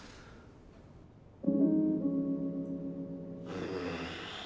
うん。